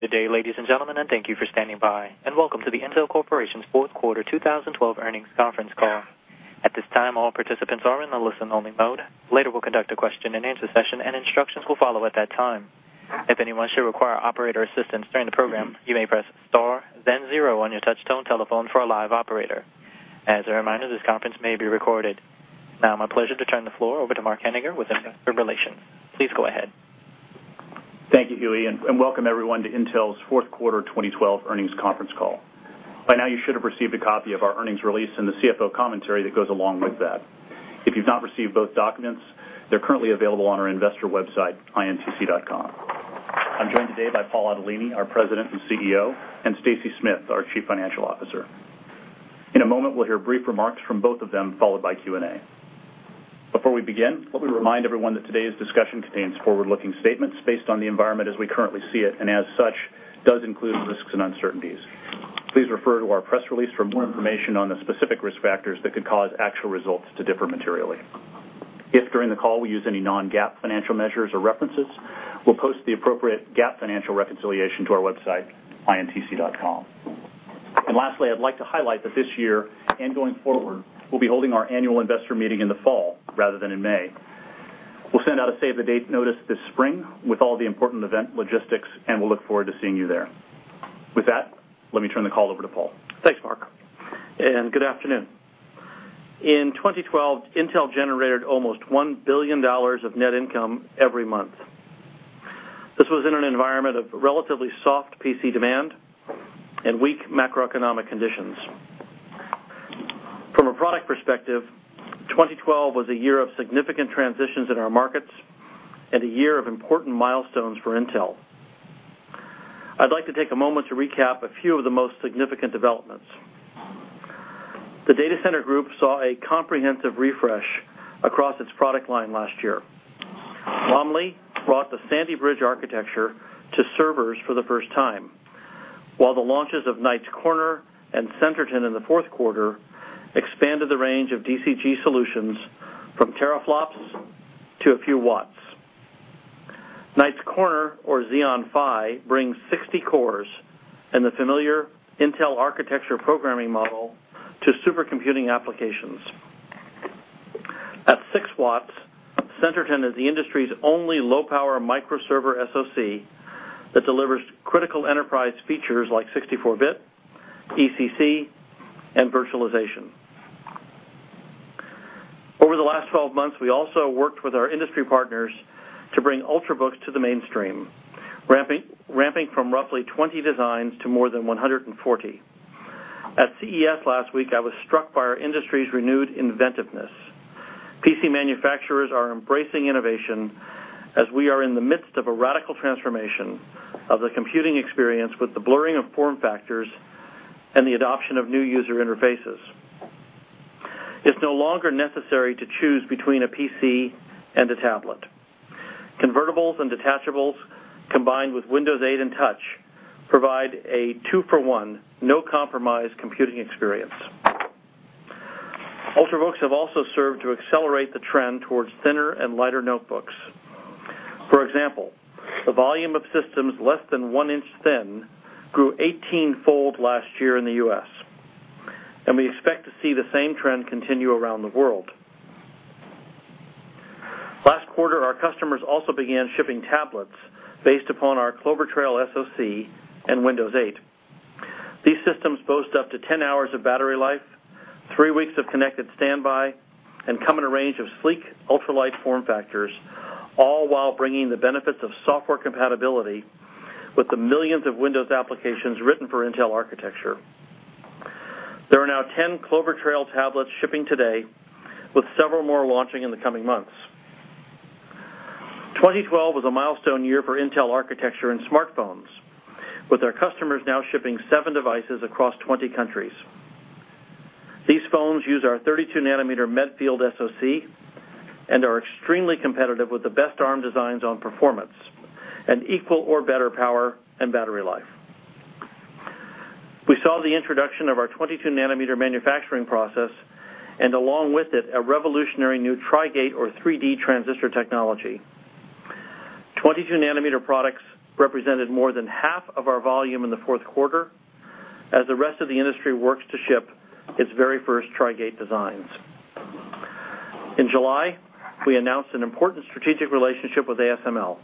Good day, ladies and gentlemen, thank you for standing by, welcome to the Intel Corporation's fourth quarter 2012 earnings conference call. At this time, all participants are in a listen-only mode. Later, we'll conduct a question-and-answer session, instructions will follow at that time. If anyone should require operator assistance during the program, you may press star then zero on your touch-tone telephone for a live operator. As a reminder, this conference may be recorded. My pleasure to turn the floor over to Mark Henninger with Investor Relations. Please go ahead. Thank you, Huey, welcome, everyone, to Intel's fourth quarter 2012 earnings conference call. By now you should have received a copy of our earnings release and the CFO commentary that goes along with that. If you've not received both documents, they're currently available on our investor website, intc.com. I'm joined today by Paul Otellini, our President and CEO, and Stacy Smith, our Chief Financial Officer. In a moment, we'll hear brief remarks from both of them, followed by Q&A. Before we begin, let me remind everyone that today's discussion contains forward-looking statements based on the environment as we currently see it, as such, does include risks and uncertainties. Please refer to our press release for more information on the specific risk factors that could cause actual results to differ materially. If, during the call, we use any non-GAAP financial measures or references, we'll post the appropriate GAAP financial reconciliation to our website, intc.com. Lastly, I'd like to highlight that this year, going forward, we'll be holding our annual investor meeting in the fall rather than in May. We'll send out a save-the-date notice this spring with all the important event logistics, we'll look forward to seeing you there. Let me turn the call over to Paul. Thanks, Mark, good afternoon. In 2012, Intel generated almost $1 billion of net income every month. This was in an environment of relatively soft PC demand and weak macroeconomic conditions. From a product perspective, 2012 was a year of significant transitions in our markets and a year of important milestones for Intel. I'd like to take a moment to recap a few of the most significant developments. The Data Center Group saw a comprehensive refresh across its product line last year, Romley brought the Sandy Bridge architecture to servers for the first time, while the launches of Knights Corner and Centerton in the fourth quarter expanded the range of DCG solutions from teraflops to a few watts. Knights Corner, or Xeon Phi, brings 60 cores and the familiar Intel architecture programming model to supercomputing applications. At six watts, Centerton is the industry's only low-power microserver SoC that delivers critical enterprise features like 64-bit, ECC, and virtualization. Over the last 12 months, we also worked with our industry partners to bring Ultrabooks to the mainstream, ramping from roughly 20 designs to more than 140. At CES last week, I was struck by our industry's renewed inventiveness. PC manufacturers are embracing innovation as we are in the midst of a radical transformation of the computing experience with the blurring of form factors and the adoption of new user interfaces. It's no longer necessary to choose between a PC and a tablet. Convertibles and detachables, combined with Windows 8 and touch, provide a two-for-one, no compromise computing experience. Ultrabook have also served to accelerate the trend towards thinner and lighter notebooks. For example, the volume of systems less than one inch thin grew 18-fold last year in the U.S., and we expect to see the same trend continue around the world. Last quarter, our customers also began shipping tablets based upon our Clover Trail SoC and Windows 8. These systems boast up to 10 hours of battery life, three weeks of connected standby, and come in a range of sleek, ultralight form factors, all while bringing the benefits of software compatibility with the millions of Windows applications written for Intel architecture. There are now 10 Clover Trail tablets shipping today, with several more launching in the coming months. 2012 was a milestone year for Intel architecture and smartphones, with our customers now shipping 7 devices across 20 countries. These phones use our 32-nanometer Medfield SoC and are extremely competitive with the best Arm designs on performance and equal or better power and battery life. We saw the introduction of our 22-nanometer manufacturing process, and along with it, a revolutionary new Tri-Gate, or 3D transistor technology. 22-nanometer products represented more than half of our volume in the fourth quarter as the rest of the industry works to ship its very first Tri-Gate designs. In July, we announced an important strategic relationship with ASML,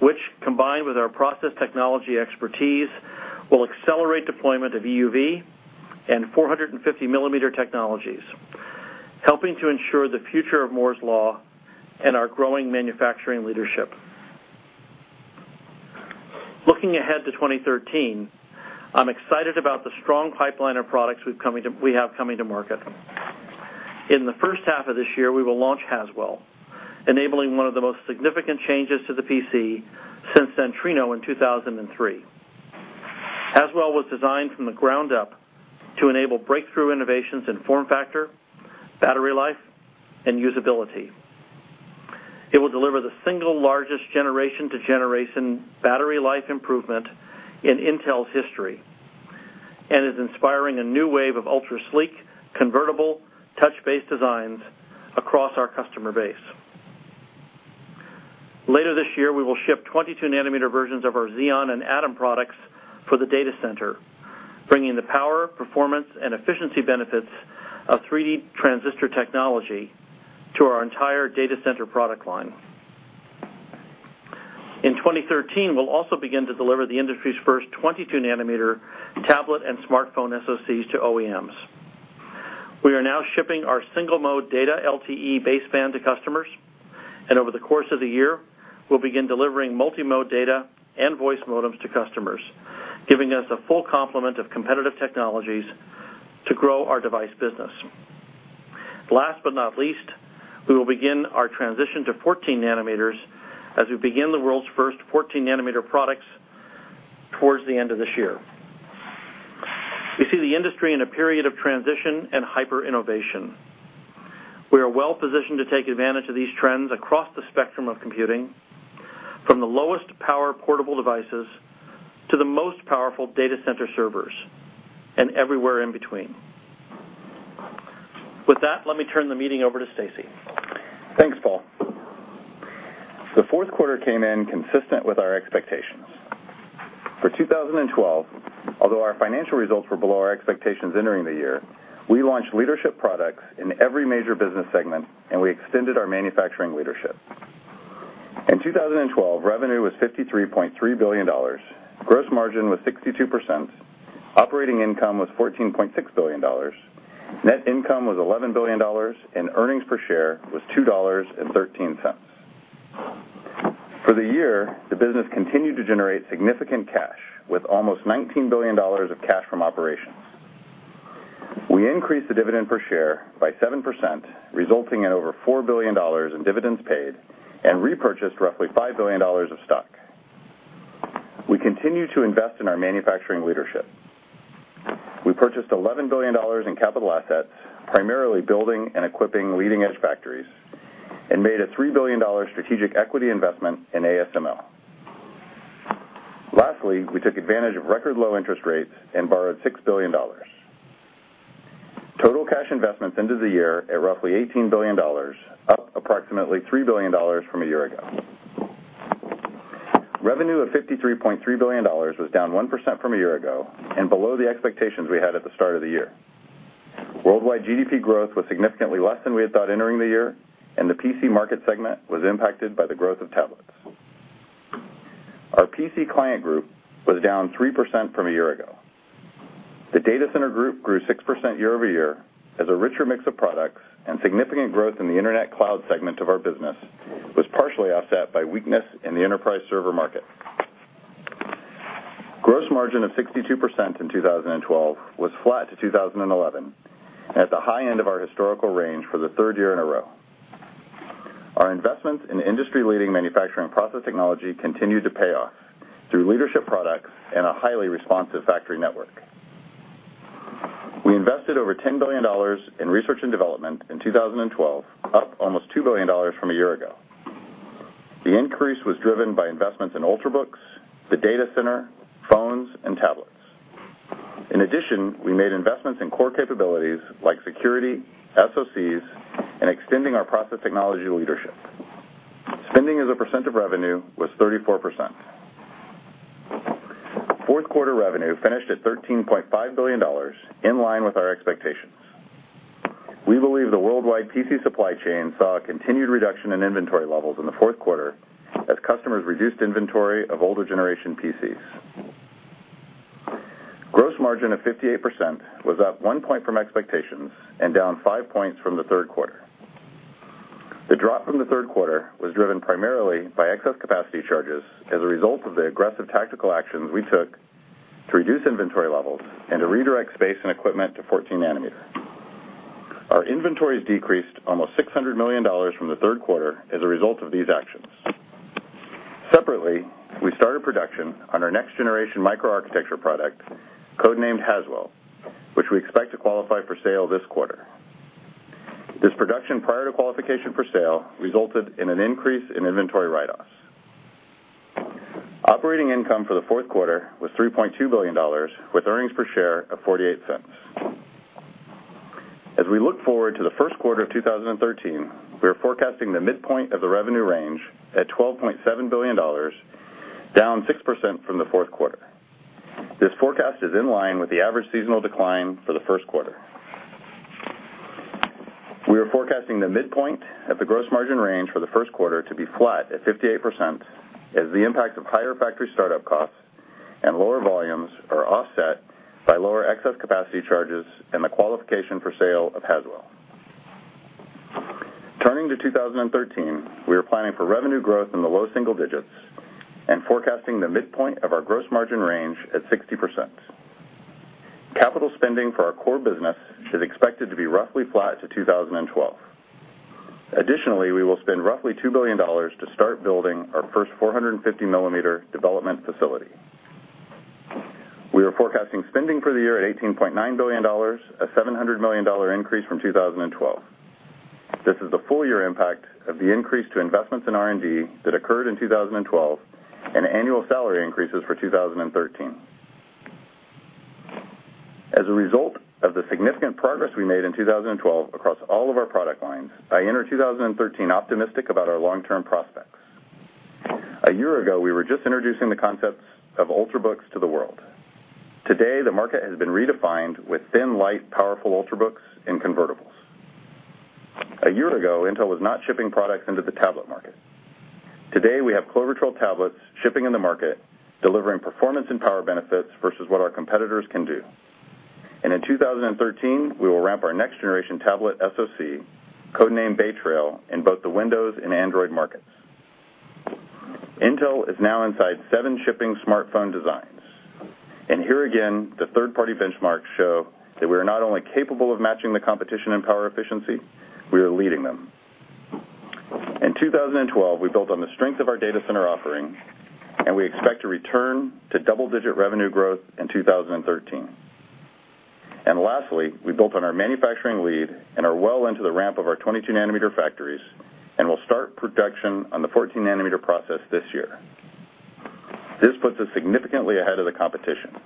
which, combined with our process technology expertise, will accelerate deployment of EUV and 450-millimeter technologies, helping to ensure the future of Moore's Law and our growing manufacturing leadership. Looking ahead to 2013, I'm excited about the strong pipeline of products we have coming to market. In the first half of this year, we will launch Haswell, enabling one of the most significant changes to the PC since Centrino in 2003. Haswell was designed from the ground up to enable breakthrough innovations in form factor, battery life, and usability. It will deliver the single largest generation-to-generation battery life improvement in Intel's history. Is inspiring a new wave of ultra-sleek, convertible, touch-based designs across our customer base. Later this year, we will ship 22-nanometer versions of our Xeon and Atom products for the Data Center, bringing the power, performance, and efficiency benefits of 3D transistor technology to our entire Data Center product line. In 2013, we'll also begin to deliver the industry's first 22-nanometer tablet and smartphone SoCs to OEMs. We are now shipping our single-mode data LTE baseband to customers, and over the course of the year, we'll begin delivering multi-mode data and voice modems to customers, giving us a full complement of competitive technologies to grow our device business. Last but not least, we will begin our transition to 14 nanometers as we begin the world's first 14 nanometer products towards the end of this year. We see the industry in a period of transition and hyper-innovation. We are well positioned to take advantage of these trends across the spectrum of computing, from the lowest power portable devices to the most powerful data center servers, and everywhere in between. With that, let me turn the meeting over to Stacy. Thanks, Paul. The fourth quarter came in consistent with our expectations. For 2012, although our financial results were below our expectations entering the year, we launched leadership products in every major business segment, and we extended our manufacturing leadership. In 2012, revenue was $53.3 billion, gross margin was 62%, operating income was $14.6 billion, net income was $11 billion, and earnings per share was $2.13. For the year, the business continued to generate significant cash, with almost $19 billion of cash from operations. We increased the dividend per share by 7%, resulting in over $4 billion in dividends paid, and repurchased roughly $5 billion of stock. We continue to invest in our manufacturing leadership. We purchased $11 billion in capital assets, primarily building and equipping leading-edge factories, and made a $3 billion strategic equity investment in ASML. Lastly, we took advantage of record low interest rates and borrowed $6 billion. Total cash investments ended the year at roughly $18 billion, up approximately $3 billion from a year ago. Revenue of $53.3 billion was down 1% from a year ago, and below the expectations we had at the start of the year. Worldwide GDP growth was significantly less than we had thought entering the year, and the PC market segment was impacted by the growth of tablets. Our PC Client Group was down 3% from a year ago. The Data Center Group grew 6% year-over-year as a richer mix of products and significant growth in the internet cloud segment of our business was partially offset by weakness in the enterprise server market. Gross margin of 62% in 2012 was flat to 2011, at the high end of our historical range for the third year in a row. Our investments in industry-leading manufacturing process technology continued to pay off through leadership products and a highly responsive factory network. We invested over $10 billion in research and development in 2012, up almost $2 billion from a year ago. The increase was driven by investments in Ultrabooks, the data center, phones, and tablets. In addition, we made investments in core capabilities like security, SoCs, and extending our process technology leadership. Spending as a percent of revenue was 34%. Fourth quarter revenue finished at $13.5 billion, in line with our expectations. We believe the worldwide PC supply chain saw a continued reduction in inventory levels in the fourth quarter as customers reduced inventory of older generation PCs. Gross margin of 58% was up one point from expectations and down five points from the third quarter. The drop from the third quarter was driven primarily by excess capacity charges as a result of the aggressive tactical actions we took to reduce inventory levels and to redirect space and equipment to 14 nanometer. Our inventories decreased almost $600 million from the third quarter as a result of these actions. Separately, we started production on our next generation micro-architecture product, codenamed Haswell, which we expect to qualify for sale this quarter. This production, prior to qualification for sale, resulted in an increase in inventory write-offs. Operating income for the fourth quarter was $3.2 billion, with earnings per share of $0.48. As we look forward to the first quarter of 2013, we are forecasting the midpoint of the revenue range at $12.7 billion, down 6% from the fourth quarter. This forecast is in line with the average seasonal decline for the first quarter. We are forecasting the midpoint of the gross margin range for the first quarter to be flat at 58%, as the impact of higher factory startup costs and lower volumes are offset by lower excess capacity charges and the qualification for sale of Haswell. Turning to 2013, we are planning for revenue growth in the low single digits and forecasting the midpoint of our gross margin range at 60%. Capital spending for our core business is expected to be roughly flat to 2012. Additionally, we will spend roughly $2 billion to start building our first 450-millimeter development facility. We are forecasting spending for the year at $18.9 billion, a $700 million increase from 2012. This is the full-year impact of the increase to investments in R&D that occurred in 2012, and annual salary increases for 2013. As a result of the significant progress we made in 2012 across all of our product lines, I enter 2013 optimistic about our long-term prospects. A year ago, we were just introducing the concept of Ultrabook to the world. Today, the market has been redefined with thin, light, powerful Ultrabook and convertibles. A year ago, Intel was not shipping products into the tablet market. Today, we have Clover Trail tablets shipping in the market, delivering performance and power benefits versus what our competitors can do. In 2013, we will ramp our next-generation tablet SoC, codenamed Bay Trail, in both the Windows and Android markets. Intel is now inside seven shipping smartphone designs. Here again, the third-party benchmarks show that we are not only capable of matching the competition in power efficiency, we are leading them. In 2012, we built on the strength of our data center offerings, and we expect to return to double-digit revenue growth in 2013. Lastly, we built on our manufacturing lead and are well into the ramp of our 22 nanometer factories and will start production on the 14 nanometer process this year. This puts us significantly ahead of the competition.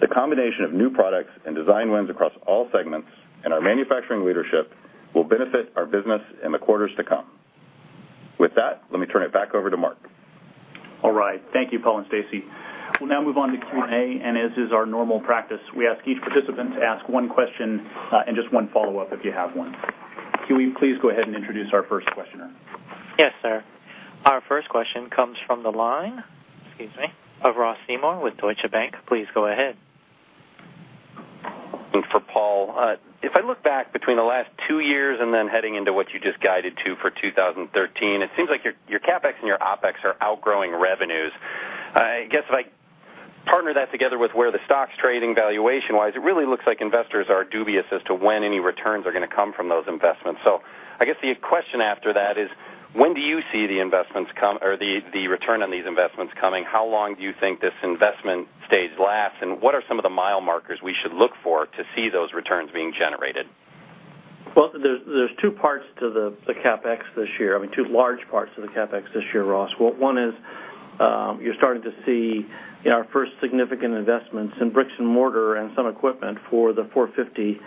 The combination of new products and design wins across all segments and our manufacturing leadership will benefit our business in the quarters to come. With that, let me turn it back over to Mark. Thank you, Paul and Stacy. We'll now move on to Q&A. As is our normal practice, we ask each participant to ask one question, and just one follow-up if you have one. Can we please go ahead and introduce our first questioner? Yes, sir. Our first question comes from the line, excuse me, of Ross Seymore with Deutsche Bank. Please go ahead. For Paul, if I look back between the last two years and then heading into what you just guided to for 2013, it seems like your CapEx and your OpEx are outgrowing revenues. I guess if I partner that together with where the stock's trading valuation-wise, it really looks like investors are dubious as to when any returns are going to come from those investments. I guess the question after that is, when do you see the return on these investments coming? How long do you think this investment stage lasts, and what are some of the mile markers we should look for to see those returns being generated? Well, there's two parts to the CapEx this year. Two large parts of the CapEx this year, Ross. One is, you're starting to see our first significant investments in bricks and mortar and some equipment for the 450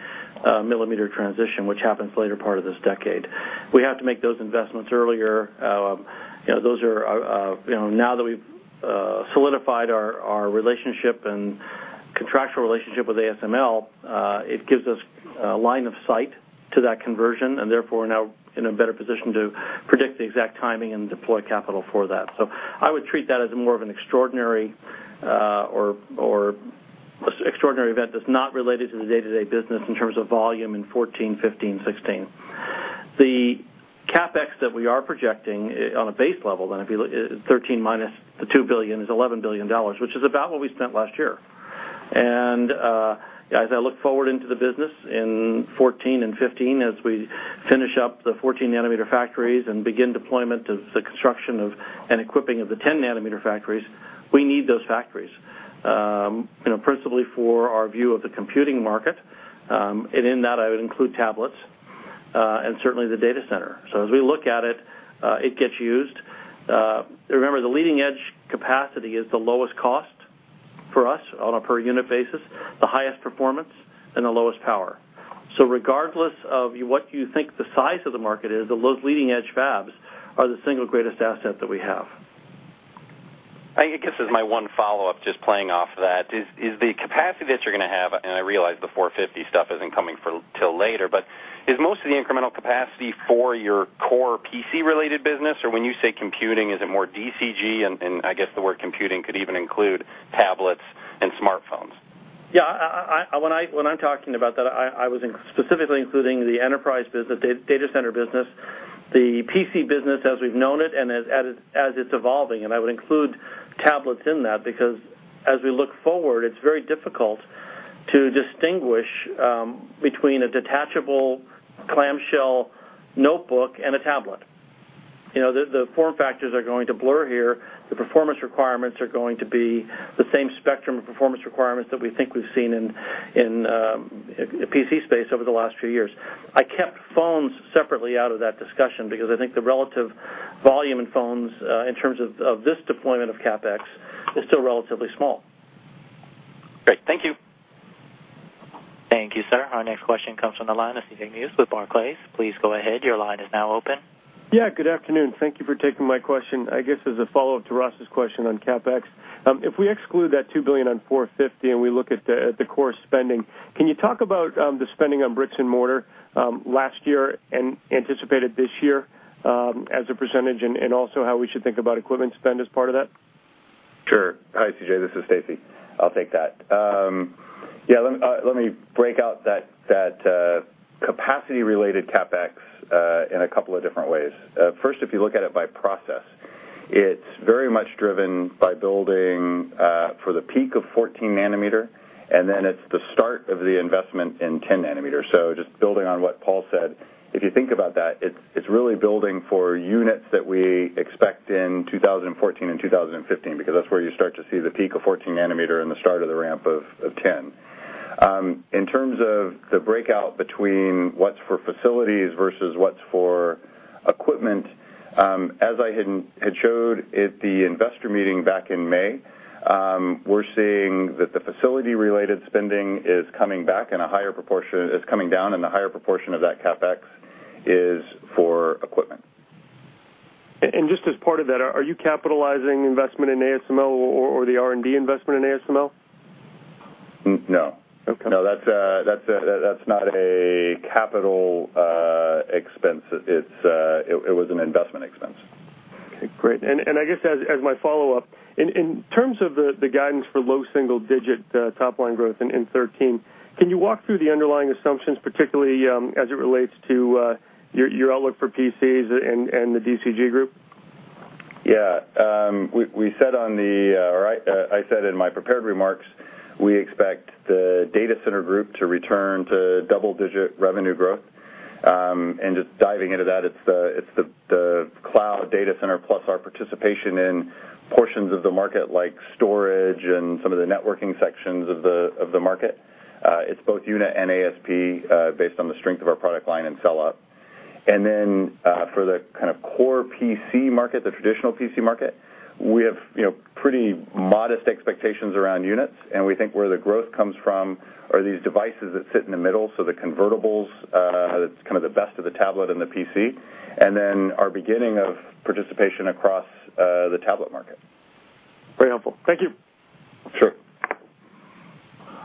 millimeter transition, which happens later part of this decade. We have to make those investments earlier. Now that we've solidified our relationship and contractual relationship with ASML, it gives us a line of sight to that conversion. Therefore, now we're in a better position to predict the exact timing and deploy capital for that. I would treat that as more of an extraordinary event that's not related to the day-to-day business in terms of volume in 2014, 2015, 2016. The CapEx that we are projecting on a base level, then, if you look, 2013 minus the $2 billion is $11 billion, which is about what we spent last year. As I look forward into the business in 2014 and 2015, as we finish up the 14-nanometer factories and begin deployment of the construction and equipping of the 10-nanometer factories, we need those factories, principally for our view of the computing market. In that, I would include tablets, and certainly the Data Center. As we look at it gets used. Remember, the leading-edge capacity is the lowest cost for us on a per unit basis, the highest performance, and the lowest power. Regardless of what you think the size of the market is, those leading-edge fabs are the single greatest asset that we have. I guess as my one follow-up, just playing off of that, is the capacity that you're going to have, I realize the 450 stuff isn't coming until later, but is most of the incremental capacity for your core PC-related business? When you say computing, is it more DCG, and I guess the word computing could even include tablets and smartphones? When I'm talking about that, I was specifically including the enterprise business, Data Center business, the PC business as we've known it and as it's evolving, and I would include tablets in that because as we look forward, it's very difficult to distinguish between a detachable clamshell notebook and a tablet. The form factors are going to blur here. The performance requirements are going to be the same spectrum of performance requirements that we think we've seen in the PC space over the last few years. I kept phones separately out of that discussion because I think the relative volume in phones, in terms of this deployment of CapEx, is still relatively small. Great. Thank you. Thank you, sir. Our next question comes from the line of CJ Muse with Barclays. Please go ahead. Your line is now open. Yeah, good afternoon. Thank you for taking my question. I guess as a follow-up to Ross's question on CapEx, if we exclude that $2 billion on $450 and we look at the core spending, can you talk about the spending on bricks and mortar last year and anticipated this year, as a percentage, and also how we should think about equipment spend as part of that? Sure. Hi, CJ, this is Stacy. I'll take that. Yeah, let me break out that capacity-related CapEx in a couple of different ways. First, if you look at it by process, it's very much driven by building for the peak of 14 nanometer, then it's the start of the investment in 10 nanometer. Just building on what Paul said, if you think about that, it's really building for units that we expect in 2014 and 2015, because that's where you start to see the peak of 14 nanometer and the start of the ramp of 10. In terms of the breakout between what's for facilities versus what's for equipment, as I had showed at the investor meeting back in May, we're seeing that the facility-related spending is coming down, and the higher proportion of that CapEx is for equipment. Just as part of that, are you capitalizing investment in ASML or the R&D investment in ASML? No. Okay. No, that's not a capital expense. It was an investment expense. Okay, great. I guess, as my follow-up, in terms of the guidance for low single-digit top-line growth in 2013, can you walk through the underlying assumptions, particularly as it relates to your outlook for PCs and the DCG group? Yeah. I said in my prepared remarks, we expect the Data Center Group to return to double-digit revenue growth. Just diving into that, it's the cloud data center plus our participation in portions of the market like storage and some of the networking sections of the market. It's both unit and ASP, based on the strength of our product line and sell-off. Then, for the core PC market, the traditional PC market, we have pretty modest expectations around units, and we think where the growth comes from are these devices that sit in the middle, so the convertibles, that's kind of the best of the tablet and the PC, and then our beginning of participation across the tablet market. Very helpful. Thank you. Sure.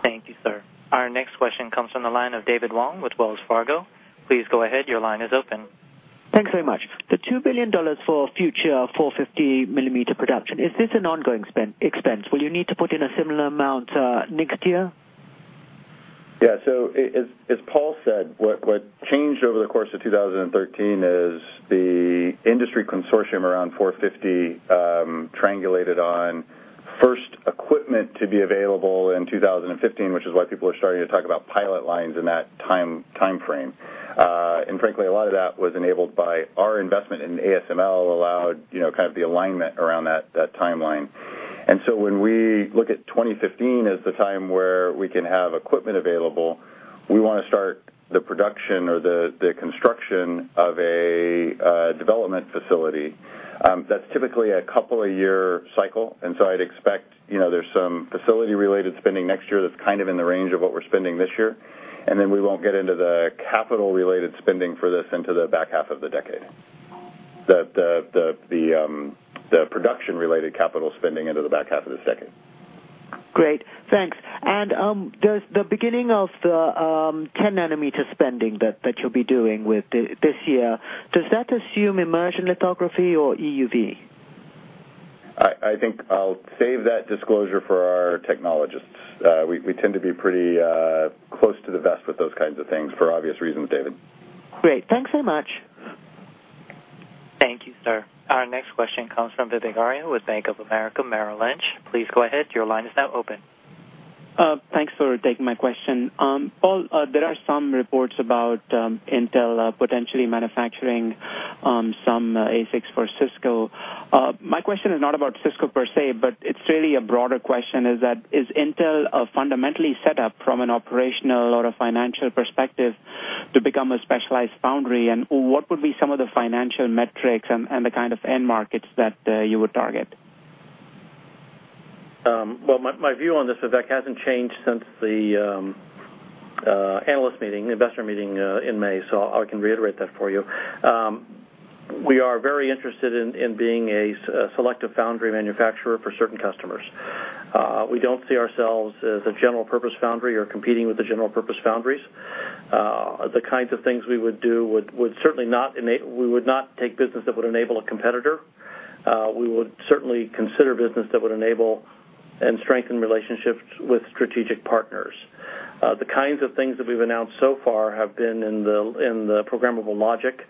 Thank you, sir. Our next question comes from the line of David Wong with Wells Fargo. Please go ahead. Your line is open. Thanks very much. The $2 billion for future 450 millimeter production, is this an ongoing expense? Will you need to put in a similar amount next year? As Paul said, what changed over the course of 2013 is the industry consortium around 450 triangulated on first equipment to be available in 2015, which is why people are starting to talk about pilot lines in that timeframe. Frankly, a lot of that was enabled by our investment in ASML, allowed the alignment around that timeline. When we look at 2015 as the time where we can have equipment available, we want to start the production or the construction of a development facility. That's typically a couple of year cycle, I'd expect there's some facility-related spending next year that's kind of in the range of what we're spending this year, then we won't get into the capital-related spending for this until the back half of the decade. The production-related capital spending into the back half of the decade. Great. Thanks. Does the beginning of the 10 nanometer spending that you'll be doing this year, does that assume immersion lithography or EUV? I think I'll save that disclosure for our technologists. We tend to be pretty close to the vest with those kinds of things, for obvious reasons, David. Great. Thanks so much. Thank you, sir. Our next question comes from Vivek Arya with Bank of America Merrill Lynch. Please go ahead. Your line is now open. Thanks for taking my question. Paul, there are some reports about Intel potentially manufacturing some ASICs for Cisco. My question is not about Cisco per se, but it's really a broader question, is Intel fundamentally set up from an operational or a financial perspective to become a specialized foundry? What would be some of the financial metrics and the kind of end markets that you would target? My view on this, Vivek, hasn't changed since the investor meeting in May, so I can reiterate that for you. We are very interested in being a selective foundry manufacturer for certain customers. We don't see ourselves as a general purpose foundry or competing with the general purpose foundries. The kinds of things we would do would certainly not take business that would enable a competitor. We would certainly consider business that would enable and strengthen relationships with strategic partners. The kinds of things that we've announced so far have been in the programmable logic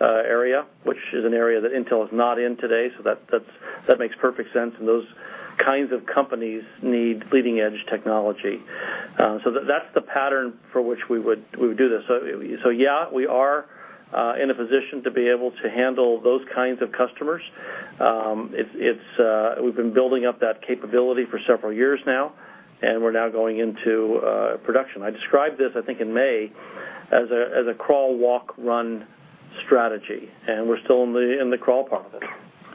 area, which is an area that Intel is not in today, so that makes perfect sense, and those kinds of companies need leading-edge technology. That's the pattern for which we would do this. Yeah, we are in a position to be able to handle those kinds of customers. We've been building up that capability for several years now, and we're now going into production. I described this, I think, in May, as a crawl, walk, run strategy, and we're still in the crawl part of it.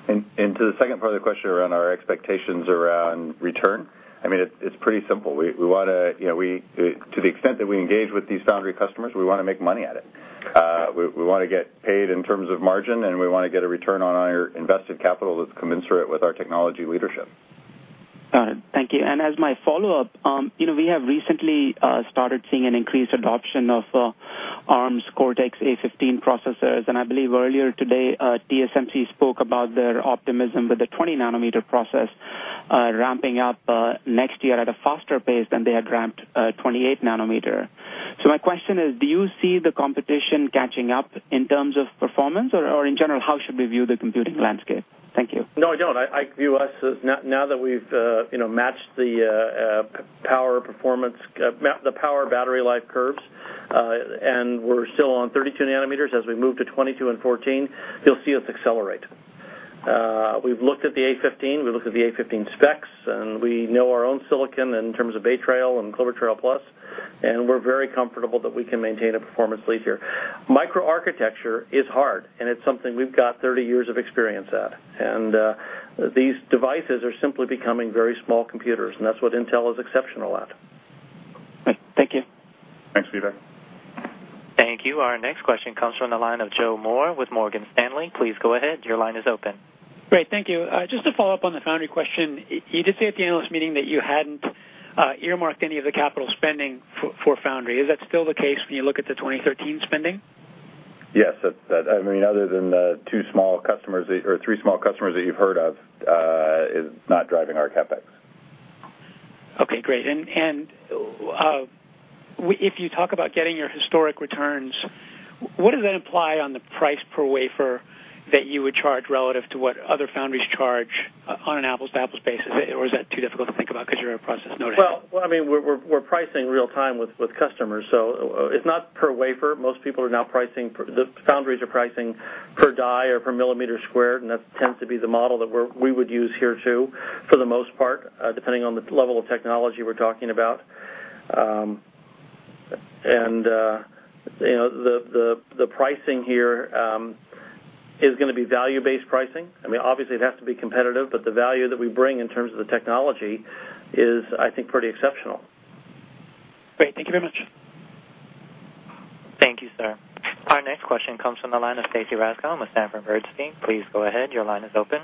To the second part of the question around our expectations around return, it's pretty simple. To the extent that we engage with these foundry customers, we want to make money at it. We want to get paid in terms of margin, and we want to get a return on our invested capital that's commensurate with our technology leadership. Got it. Thank you. As my follow-up, we have recently started seeing an increased adoption of Arm's Cortex-A15 processors, and I believe earlier today, TSMC spoke about their optimism with the 20 nanometer process ramping up next year at a faster pace than they had ramped 28 nanometer. My question is, do you see the competition catching up in terms of performance, or in general, how should we view the computing landscape? Thank you. No, I don't. I view us as now that we've matched the power battery life curves, and we're still on 32 nanometers. As we move to 22 and 14, you'll see us accelerate. We've looked at the A15, we looked at the A15 specs, and we know our own silicon in terms of Bay Trail and Clover Trail Plus, and we're very comfortable that we can maintain a performance lead here. Microarchitecture is hard, and it's something we've got 30 years of experience at. These devices are simply becoming very small computers, and that's what Intel is exceptional at. Thank you. Thanks, Vivek. Thank you. Our next question comes from the line of Joseph Moore with Morgan Stanley. Please go ahead. Your line is open. Great. Thank you. Just to follow up on the foundry question, you did say at the analyst meeting that you hadn't earmarked any of the capital spending for foundry. Is that still the case when you look at the 2013 spending? Yes. Other than the two small customers, or three small customers that you've heard of, is not driving our CapEx. Okay, great. If you talk about getting your historic returns, what does that imply on the price per wafer that you would charge relative to what other foundries charge on an apples-to-apples basis? Or is that too difficult to think about because you're a process node ahead? Well, we're pricing real time with customers, it's not per wafer. Most foundries are pricing per die or per millimeter squared, that tends to be the model that we would use here too, for the most part, depending on the level of technology we're talking about. The pricing here is going to be value-based pricing. Obviously, it has to be competitive, but the value that we bring in terms of the technology is, I think, pretty exceptional. Great. Thank you very much. Thank you, sir. Our next question comes from the line of Stacy Rasgon with Sanford Bernstein. Please go ahead. Your line is open.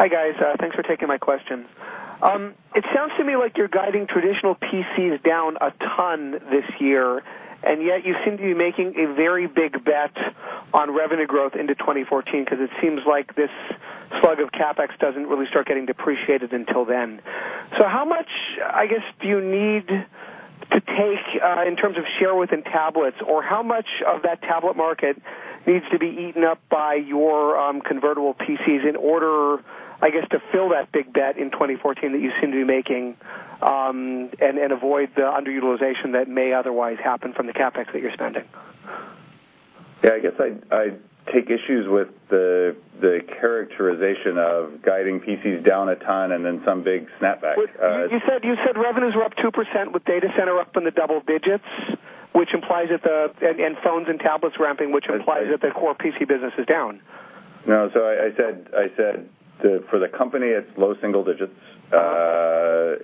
Hi, guys. Thanks for taking my questions. It sounds to me like you're guiding traditional PCs down a ton this year, yet you seem to be making a very big bet on revenue growth into 2014 because it seems like this slug of CapEx doesn't really start getting depreciated until then. How much, I guess, do you need to take in terms of share within tablets, or how much of that tablet market needs to be eaten up by your convertible PCs in order, I guess, to fill that big bet in 2014 that you seem to be making, and avoid the underutilization that may otherwise happen from the CapEx that you're spending? I guess I take issues with the characterization of guiding PCs down a ton and then some big snapback. You said revenues were up 2% with data center up in the double digits, and phones and tablets ramping, which implies that the core PC business is down. No. I said, for the company, it's low single digits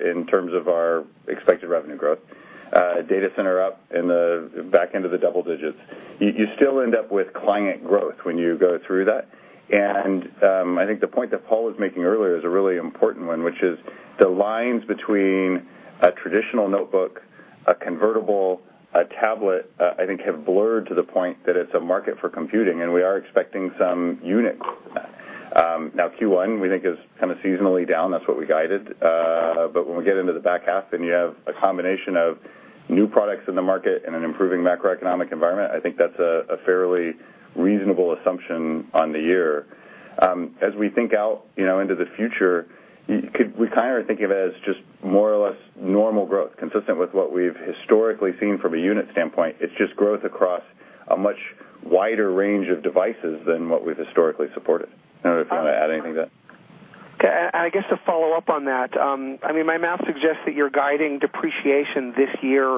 in terms of our expected revenue growth, data center up in the back end of the double digits. You still end up with client growth when you go through that, and I think the point that Paul was making earlier is a really important one, which is the lines between a traditional notebook, a convertible, a tablet, I think have blurred to the point that it's a market for computing, and we are expecting some unit growth in that. Now Q1 we think is kind of seasonally down. That's what we guided. When we get into the back half, you have a combination of new products in the market and an improving macroeconomic environment. I think that's a fairly reasonable assumption on the year. As we think out into the future, we kind of are thinking of it as just more or less normal growth consistent with what we've historically seen from a unit standpoint. It's just growth across a much wider range of devices than what we've historically supported. I don't know if you want to add anything to that. Okay, I guess to follow up on that, my math suggests that you're guiding depreciation this year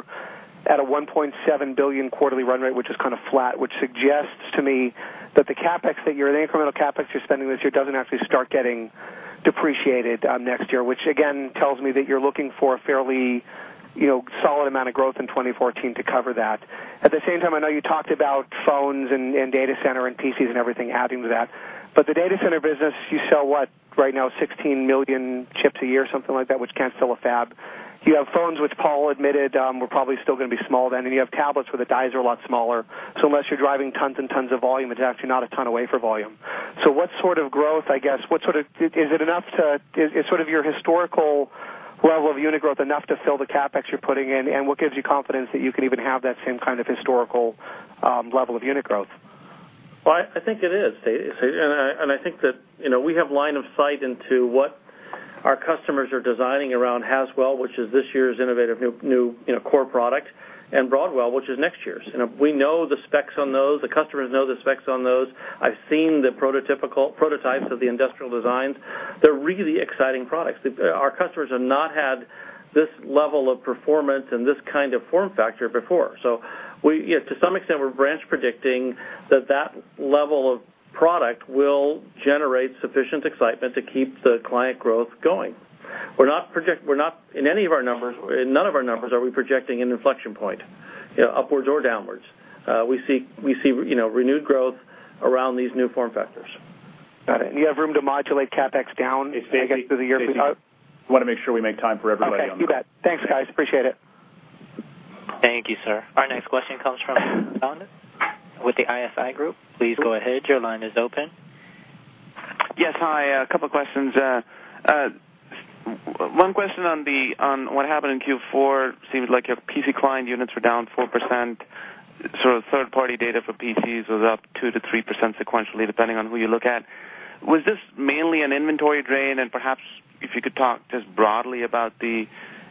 at a $1.7 billion quarterly run rate, which is kind of flat, which suggests to me that the incremental CapEx you're spending this year doesn't actually start getting depreciated next year, which again tells me that you're looking for a fairly solid amount of growth in 2014 to cover that. At the same time, I know you talked about phones and Data Center and PCs and everything adding to that, but the Data Center business, you sell what, right now, 16 million chips a year, something like that, which can't fill a fab. You have phones, which Paul admitted were probably still going to be small then, and you have tablets where the dies are a lot smaller. Unless you're driving tons and tons of volume, it's actually not a ton of wafer volume. What sort of growth, I guess, is sort of your historical level of unit growth enough to fill the CapEx you're putting in? What gives you confidence that you can even have that same kind of historical level of unit growth? Well, I think it is, Stacy. I think that we have line of sight into what our customers are designing around Haswell, which is this year's innovative new core product, and Broadwell, which is next year's. We know the specs on those. The customers know the specs on those. I've seen the prototypes of the industrial designs. They're really exciting products. Our customers have not had this level of performance and this kind of form factor before. To some extent, we're branch predicting that that level of product will generate sufficient excitement to keep the client growth going. In none of our numbers are we projecting an inflection point, upwards or downwards. We see renewed growth around these new form factors. Got it. You have room to modulate CapEx down, I guess, through the year if you have- Stacy, we want to make sure we make time for everybody on the call. Okay. You got it. Thanks, guys. Appreciate it. Thank you, sir. Our next question comes from with the ISI Group. Please go ahead. Your line is open. Yes, hi. A couple questions. One question on what happened in Q4, seems like your PC Client units were down 4%, sort of third-party data for PCs was up 2%-3% sequentially, depending on who you look at. Was this mainly an inventory drain? Perhaps if you could talk just broadly about the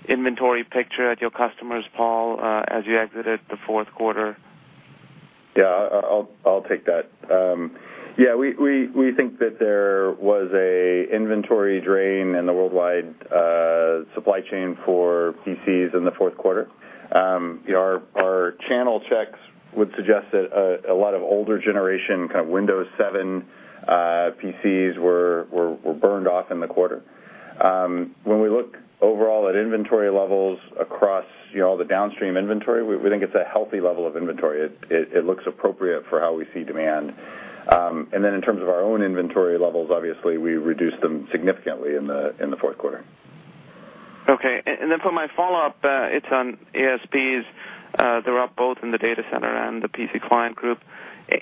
inventory picture at your customers, Paul, as you exited the fourth quarter. Yeah, I'll take that. We think that there was an inventory drain in the worldwide supply chain for PCs in the fourth quarter. Our channel checks would suggest that a lot of older generation, kind of Windows 7 PCs were burned off in the quarter. When we look overall at inventory levels across all the downstream inventory, we think it's a healthy level of inventory. It looks appropriate for how we see demand. In terms of our own inventory levels, obviously, we reduced them significantly in the fourth quarter. Okay. For my follow-up, it's on ASPs. They're up both in the Data Center and the PC Client Group.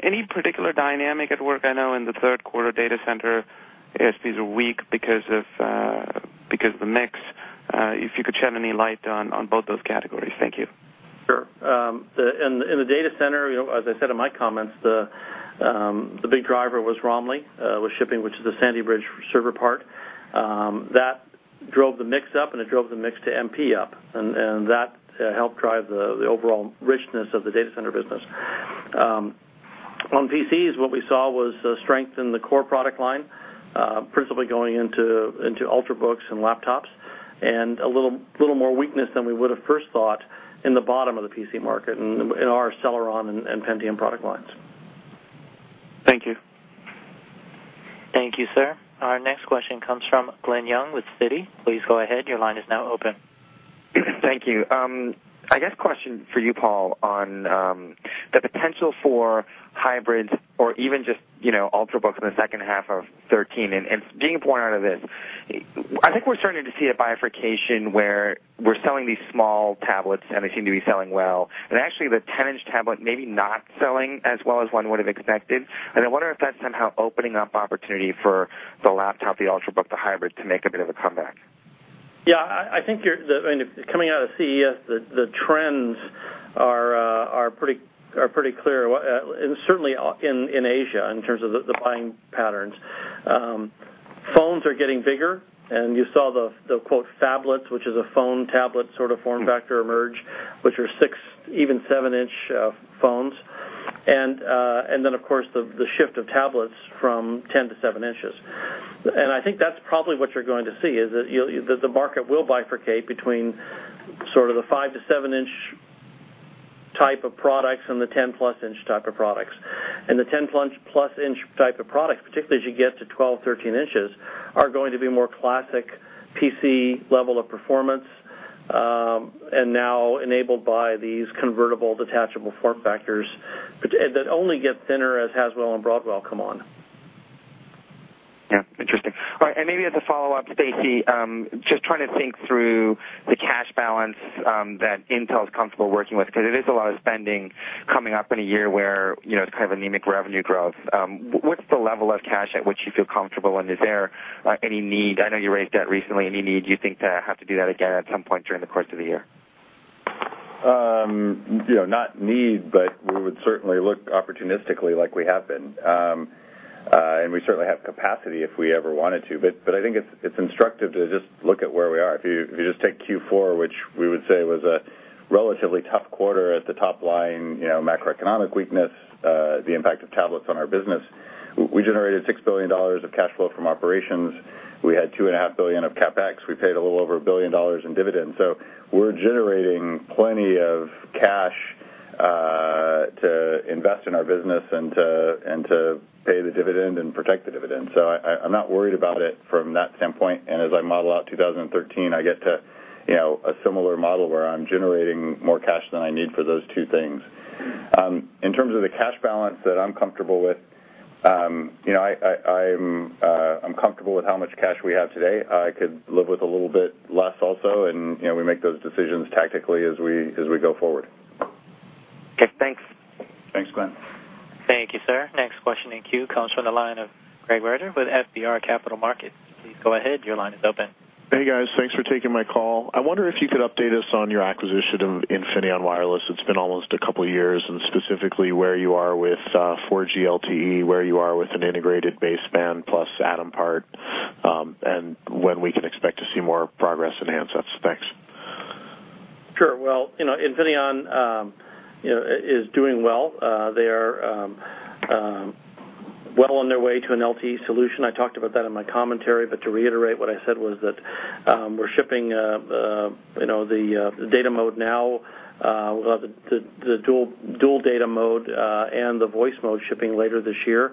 Any particular dynamic at work? I know in the third quarter Data Center, ASPs are weak because of the mix. If you could shed any light on both those categories. Thank you. Sure. In the Data Center, as I said in my comments, the big driver was Romley, with shipping, which is a Sandy Bridge server part. That drove the mix up, and it drove the mix to MP up, and that helped drive the overall richness of the Data Center business. On PCs, what we saw was strength in the core product line, principally going into Ultrabooks and laptops, and a little more weakness than we would have first thought in the bottom of the PC market, in our Celeron and Pentium product lines. Thank you. Thank you, sir. Our next question comes from Glen Yeung with Citi. Please go ahead. Your line is now open. Thank you. I guess question for you, Paul, on the potential for hybrids or even just Ultrabooks in the second half of 2013. Being a point out of this, I think we're starting to see a bifurcation where we're selling these small tablets, and they seem to be selling well, and actually, the 10-inch tablet maybe not selling as well as one would have expected. I wonder if that's somehow opening up opportunity for the laptop, the Ultrabook, the hybrid to make a bit of a comeback. Yeah, I think coming out of CES, the trends are pretty clear, and certainly in Asia, in terms of the buying patterns. Phones are getting bigger, and you saw the phablet, which is a phone-tablet sort of form factor emerge, which are six, even seven-inch phones. Then, of course, the shift of tablets from 10 to seven inches. I think that's probably what you're going to see, is that the market will bifurcate between sort of the 5- to 7-inch type of products and the 10-plus-inch type of products. The 10-plus-inch type of products, particularly as you get to 12, 13 inches, are going to be more classic PC level of performance, and now enabled by these convertible, detachable form factors that only get thinner as Haswell and Broadwell come on. Yeah, interesting. All right, maybe as a follow-up, Stacy, just trying to think through the cash balance that Intel is comfortable working with, because it is a lot of spending coming up in a year where it's kind of anemic revenue growth. What's the level of cash at which you feel comfortable, and is there any need, I know you raised debt recently, any need you think to have to do that again at some point during the course of the year? Not need, but we would certainly look opportunistically like we have been. We certainly have capacity if we ever wanted to. I think it's instructive to just look at where we are. If you just take Q4, which we would say was a relatively tough quarter at the top line, macroeconomic weakness, the impact of tablets on our business. We generated $6 billion of cash flow from operations. We had $2.5 billion of CapEx. We paid a little over $1 billion in dividends. We're generating plenty of cash to invest in our business and to pay the dividend and protect the dividend. I'm not worried about it from that standpoint. As I model out 2013, I get to a similar model where I'm generating more cash than I need for those two things. In terms of the cash balance that I'm comfortable with, I'm comfortable with how much cash we have today. I could live with a little bit less also, and we make those decisions tactically as we go forward. Okay, thanks. Thanks, Glen. Thank you, sir. Next question in queue comes from the line of Craig Berger with FBR Capital Markets. Please go ahead. Your line is open. Hey, guys. Thanks for taking my call. I wonder if you could update us on your acquisition of Infineon Wireless. It's been almost a couple of years, and specifically where you are with 4G LTE, where you are with an integrated baseband plus Atom part, and when we can expect to see more progress in handset specs. Sure. Infineon is doing well. They are well on their way to an LTE solution. I talked about that in my commentary, but to reiterate what I said was that we're shipping the data mode now, the dual data mode, and the voice mode shipping later this year.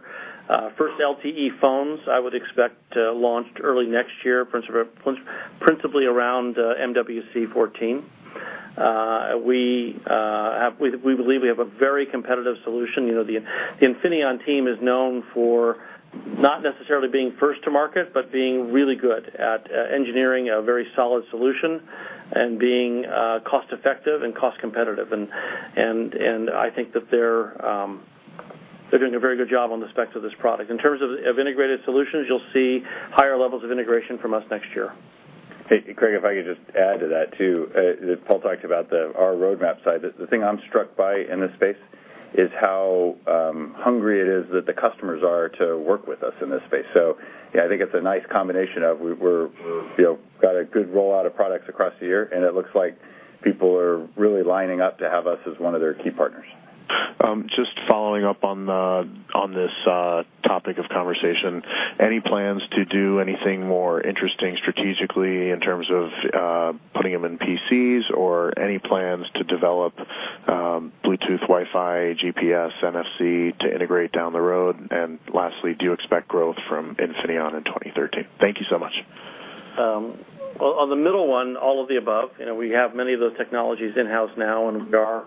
First LTE phones I would expect to launch early next year, principally around MWC14. We believe we have a very competitive solution. The Infineon team is known for not necessarily being first to market but being really good at engineering a very solid solution and being cost-effective and cost-competitive. I think that they're doing a very good job on the specs of this product. In terms of integrated solutions, you'll see higher levels of integration from us next year. Craig, if I could just add to that, too. Paul talked about our roadmap side. The thing I'm struck by in this space is how hungry it is that the customers are to work with us in this space. I think it's a nice combination of, we got a good rollout of products across the year, and it looks like people are really lining up to have us as one of their key partners. Just following up on this topic of conversation, any plans to do anything more interesting strategically in terms of putting them in PCs or any plans to develop Bluetooth, Wi-Fi, GPS, NFC to integrate down the road? Lastly, do you expect growth from Infineon in 2013? Thank you so much. On the middle one, all of the above. We have many of those technologies in-house now, and we are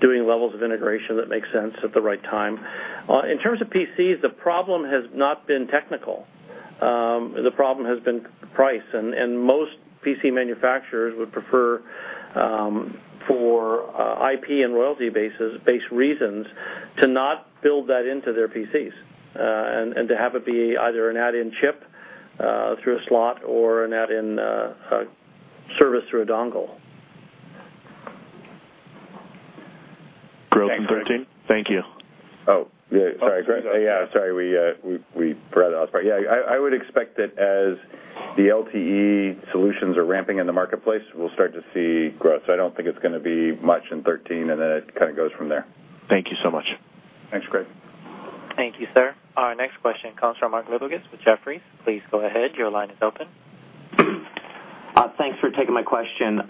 doing levels of integration that make sense at the right time. In terms of PCs, the problem has not been technical. The problem has been price, and most PC manufacturers would prefer for IP and royalty-based reasons to not build that into their PCs, and to have it be either an add-in chip through a slot or an add-in service through a dongle. Growth in 2013? Thank you. Oh, yeah. Sorry, Craig. Yeah, sorry, we forgot. I would expect that as the LTE solutions are ramping in the marketplace, we'll start to see growth. I don't think it's going to be much in 2013, and then it kind of goes from there. Thank you so much. Thanks, Craig. Thank you, sir. Our next question comes from Mark Lipacis with Jefferies. Please go ahead. Your line is open. Thanks for taking my question.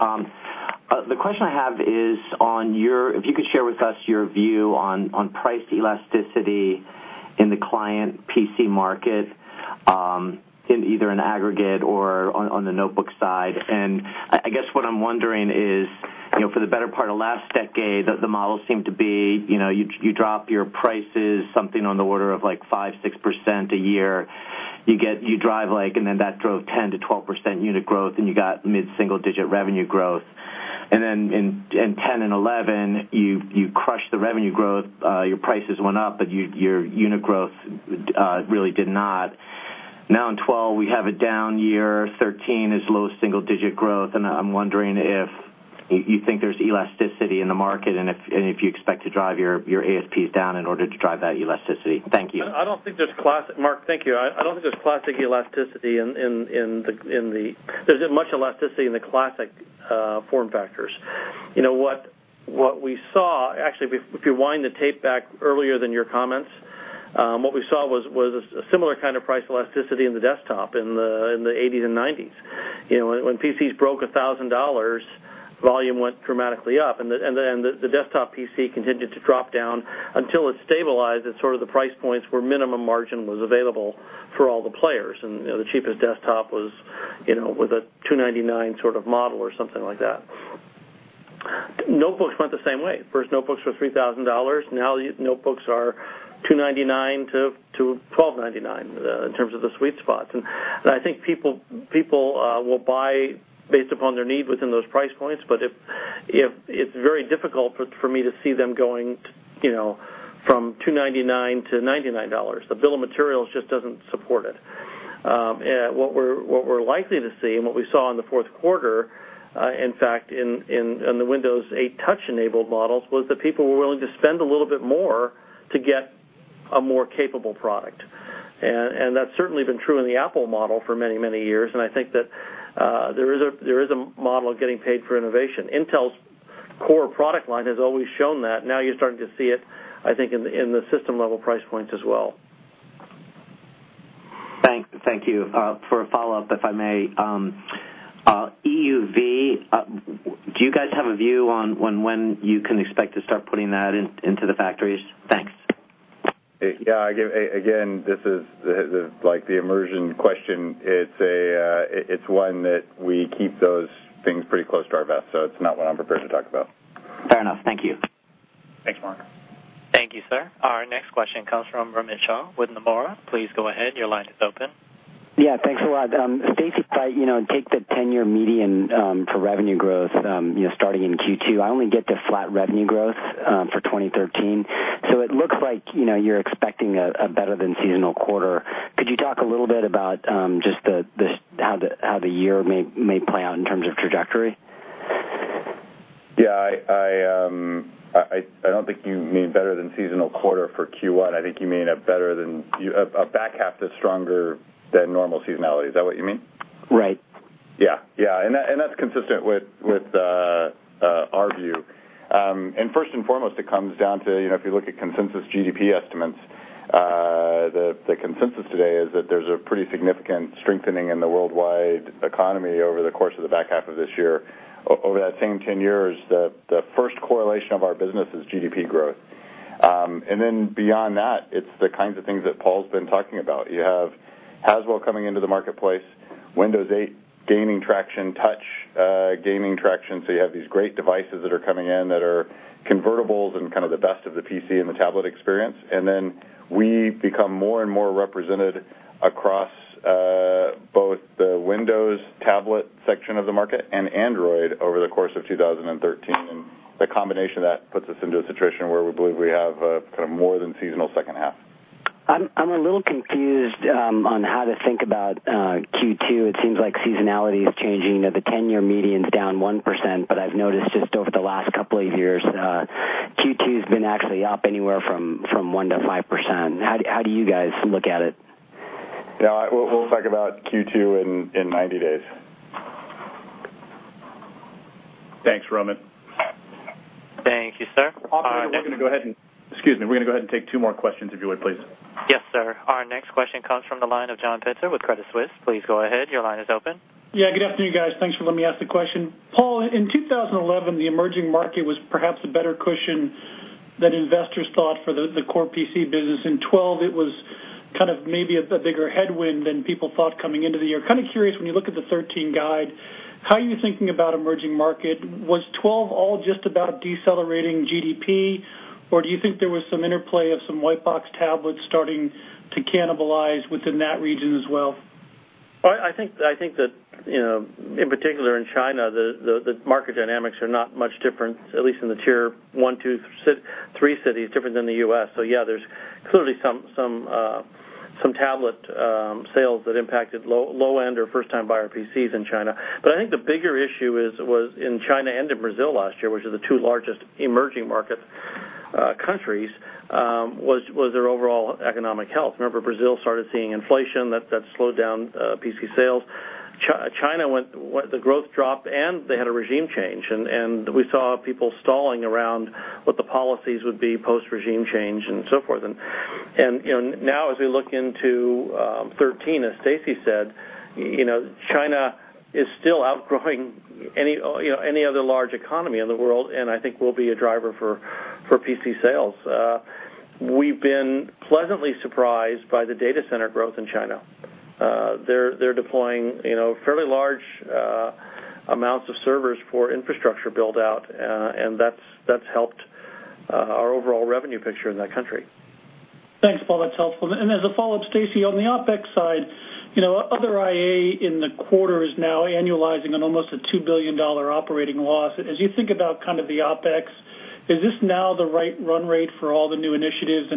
The question I have is if you could share with us your view on price elasticity in the client PC market, in either an aggregate or on the notebook side. I guess what I'm wondering is, for the better part of last decade, the model seemed to be, you drop your prices something on the order of 5%, 6% a year. You drive, then that drove 10% to 12% unit growth, and you got mid-single-digit revenue growth. Then in 2010 and 2011, you crushed the revenue growth. Your prices went up, but your unit growth really did not. Now in 2012, we have a down year. 2013 is low single-digit growth. I'm wondering if you think there's elasticity in the market and if you expect to drive your ASPs down in order to drive that elasticity. Thank you. Mark, thank you. I don't think there's much elasticity in the classic form factors. What we saw, actually, if you wind the tape back earlier than your comments, what we saw was a similar kind of price elasticity in the desktop in the '80s and '90s. When PCs broke $1,000, volume went dramatically up, then the desktop PC continued to drop down until it stabilized at sort of the price points where minimum margin was available for all the players. The cheapest desktop was a $299 sort of model or something like that. Notebooks went the same way. First notebooks were $3,000, now notebooks are $299-$1,299, in terms of the sweet spots. I think people will buy based upon their need within those price points. It's very difficult for me to see them going from $299 to $99. The bill of materials just doesn't support it. What we're likely to see, and what we saw in the fourth quarter, in fact, in the Windows 8 touch-enabled models, was that people were willing to spend a little bit more to get a more capable product. That's certainly been true in the Apple model for many, many years, and I think that there is a model of getting paid for innovation. Intel's core product line has always shown that. Now you're starting to see it, I think, in the system-level price points as well. Thank you. For a follow-up, if I may. EUV, do you guys have a view on when you can expect to start putting that into the factories? Thanks. Yeah. Again, this is like the immersion question. It's one that we keep those things pretty close to our vest, so it's not one I'm prepared to talk about. Fair enough. Thank you. Thanks, Mark. Thank you, sir. Our next question comes from Ramesh Ramachandran with Nomura. Please go ahead. Your line is open. Yeah, thanks a lot. Stacy, if I take the 10-year median for revenue growth starting in Q2, I only get to flat revenue growth for 2013. It looks like you're expecting a better than seasonal quarter. Could you talk a little bit about just how the year may play out in terms of trajectory? Yeah, I don't think you mean better than seasonal quarter for Q1. I think you mean a back half that's stronger than normal seasonality. Is that what you mean? Right. Yeah. That's consistent with our view. First and foremost, it comes down to if you look at consensus GDP estimates, the consensus today is that there's a pretty significant strengthening in the worldwide economy over the course of the back half of this year. Over that same 10 years, the first correlation of our business is GDP growth. Then beyond that, it's the kinds of things that Paul's been talking about. You have Haswell coming into the marketplace, Windows 8 gaining traction, touch gaining traction. You have these great devices that are coming in that are convertibles and kind of the best of the PC and the tablet experience. Then we become more and more represented across both the Windows tablet section of the market and Android over the course of 2013. The combination of that puts us into a situation where we believe we have a kind of more than seasonal second half. I'm a little confused on how to think about Q2. It seems like seasonality is changing. The 10-year median's down 1%, I've noticed just over the last couple of years Anywhere from 1% to 5%. How do you guys look at it? We'll talk about Q2 in 90 days. Thanks, Ramesh. Thank you, sir. Operator, we're going to go ahead and Excuse me. We're going to go ahead and take two more questions, if you would, please. Yes, sir. Our next question comes from the line of John Pitzer with Credit Suisse. Please go ahead. Your line is open. Yeah, good afternoon, guys. Thanks for letting me ask the question. Paul, in 2011, the emerging market was perhaps a better cushion than investors thought for the core PC business. In 2012, it was maybe a bigger headwind than people thought coming into the year. Curious, when you look at the 2013 guide, how are you thinking about emerging market? Was 2012 all just about decelerating GDP, or do you think there was some interplay of some white box tablets starting to cannibalize within that region as well? I think that in particular in China, the market dynamics are not much different, at least in the tier 1, 2, 3 cities, different than the U.S. Yeah, there's clearly some tablet sales that impacted low-end or first-time buyer PCs in China. I think the bigger issue was in China and in Brazil last year, which are the two largest emerging market countries, was their overall economic health. Remember, Brazil started seeing inflation that slowed down PC sales. China, the growth dropped, and they had a regime change, and we saw people stalling around what the policies would be post-regime change and so forth. Now as we look into 2013, as Stacy said, China is still outgrowing any other large economy in the world, and I think will be a driver for PC sales. We've been pleasantly surprised by the data center growth in China. They're deploying fairly large amounts of servers for infrastructure build-out, and that's helped our overall revenue picture in that country. Thanks, Paul. That's helpful. As a follow-up, Stacy, on the OpEx side, Other IA in the quarter is now annualizing on almost a $2 billion operating loss. As you think about the OpEx, is this now the right run rate for all the new initiatives?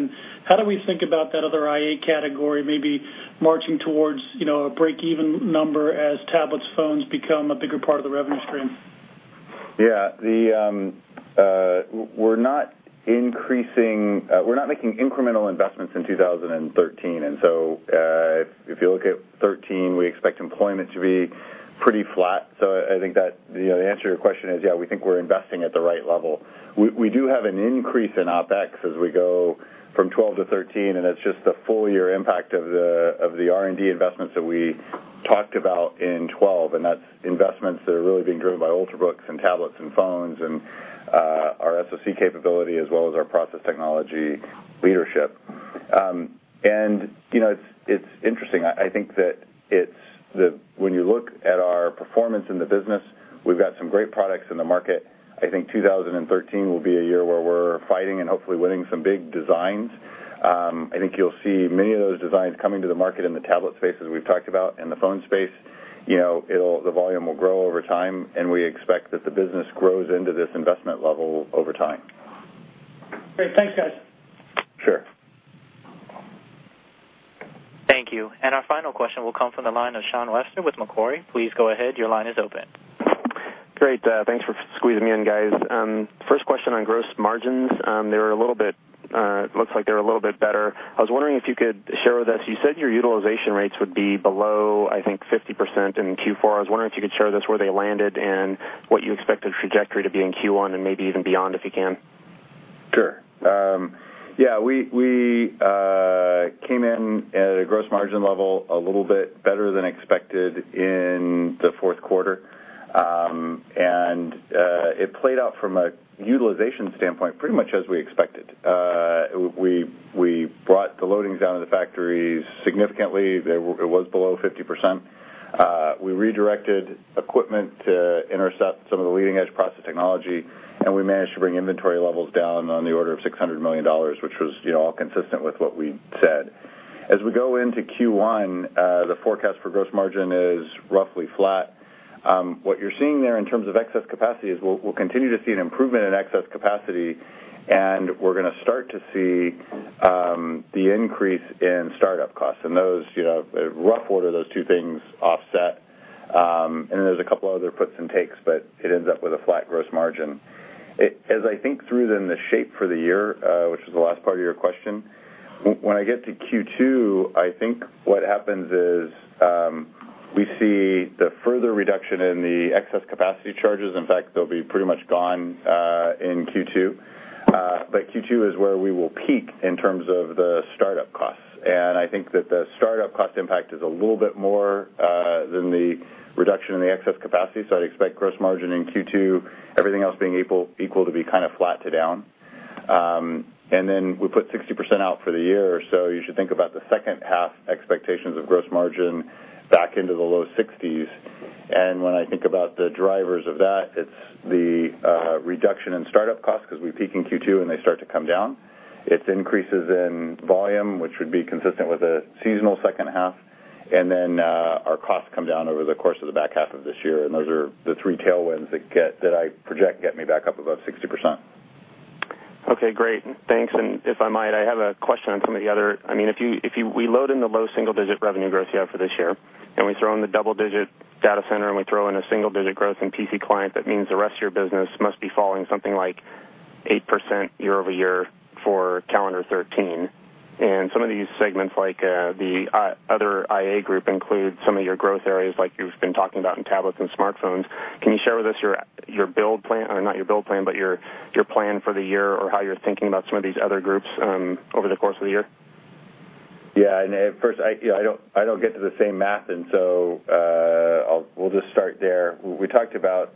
How do we think about that Other IA category maybe marching towards a break-even number as tablets, phones become a bigger part of the revenue stream? Yeah. We're not making incremental investments in 2013, and so if you look at 2013, we expect employment to be pretty flat. I think that the answer to your question is yeah, we think we're investing at the right level. We do have an increase in OpEx as we go from 2012 to 2013, and that's just the full-year impact of the R&D investments that we talked about in 2012, and that's investments that are really being driven by Ultrabook and tablets and phones and our SoC capability, as well as our process technology leadership. It's interesting. I think that when you look at our performance in the business, we've got some great products in the market. I think 2013 will be a year where we're fighting and hopefully winning some big designs. I think you'll see many of those designs coming to the market in the tablet space, as we've talked about, and the phone space. The volume will grow over time, and we expect that the business grows into this investment level over time. Great. Thanks, guys. Sure. Thank you. Our final question will come from the line of Sean West with Macquarie. Please go ahead. Your line is open. Great. Thanks for squeezing me in, guys. First question on gross margins. It looks like they're a little bit better. I was wondering if you could share with us, you said your utilization rates would be below, I think, 50% in Q4. I was wondering if you could share with us where they landed and what you expect the trajectory to be in Q1 and maybe even beyond, if you can. Sure. Yeah, we came in at a gross margin level a little bit better than expected in the fourth quarter. It played out from a utilization standpoint, pretty much as we expected. We brought the loadings down in the factories significantly. It was below 50%. We redirected equipment to intercept some of the leading-edge process technology, and we managed to bring inventory levels down on the order of $600 million, which was all consistent with what we said. As we go into Q1, the forecast for gross margin is roughly flat. What you're seeing there in terms of excess capacity is we'll continue to see an improvement in excess capacity, and we're going to start to see the increase in startup costs. Those, rough order, those two things offset, and then there's a couple of other puts and takes, but it ends up with a flat gross margin. As I think through, then, the shape for the year, which was the last part of your question, when I get to Q2, I think what happens is we see the further reduction in the excess capacity charges. In fact, they'll be pretty much gone in Q2. Q2 is where we will peak in terms of the startup costs. I think that the startup cost impact is a little bit more than the reduction in the excess capacity, I'd expect gross margin in Q2, everything else being equal, to be flat to down. We put 60% out for the year, you should think about the second half expectations of gross margin back into the low 60s. When I think about the drivers of that, it's the reduction in startup costs because we peak in Q2, and they start to come down. It's increases in volume, which would be consistent with a seasonal second half, our costs come down over the course of the back half of this year, those are the three tailwinds that I project get me back up above 60%. Okay, great. Thanks. If I might, I have a question on some of the other. If we load in the low single-digit revenue growth you have for this year, we throw in the double-digit Data Center Group, we throw in a single-digit growth in PC Client Group, that means the rest of your business must be falling something like 8% year-over-year for calendar 2013. Some of these segments, like the Other IA group, include some of your growth areas like you've been talking about in tablets and smartphones. Can you share with us your plan for the year, or how you're thinking about some of these other groups over the course of the year? Yeah, at first, I don't get to the same math, we'll just start there. We talked about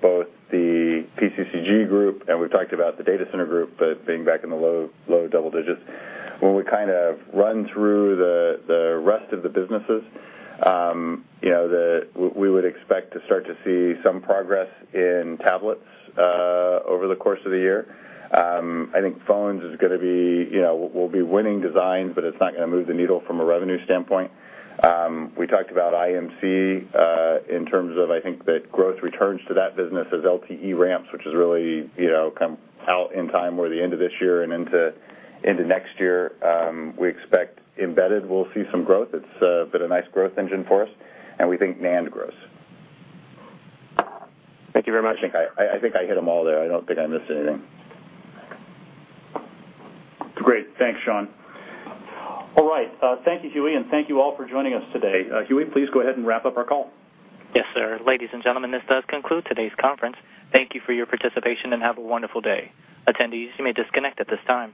both the PCCG group, we've talked about the Data Center Group, being back in the low double digits. When we run through the rest of the businesses, we would expect to start to see some progress in tablets over the course of the year. I think phones, we'll be winning designs, but it's not going to move the needle from a revenue standpoint. We talked about IMC in terms of, I think, that growth returns to that business as LTE ramps, which is really come out in time or the end of this year and into next year. We expect embedded will see some growth. It's been a nice growth engine for us, we think NAND grows. Thank you very much. I think I hit them all there. I don't think I missed anything. Great. Thanks, Sean. Thank you, Huey, and thank you all for joining us today. Huey, please go ahead and wrap up our call. Yes, sir. Ladies and gentlemen, this does conclude today's conference. Thank you for your participation, and have a wonderful day. Attendees, you may disconnect at this time.